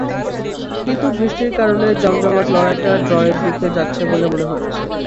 কিন্তু বৃষ্টির কারণে জমজমাট লড়াইটা ড্রয়ের দিকে যাচ্ছে বলে মনে হচ্ছে।